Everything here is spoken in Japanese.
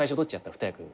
二役。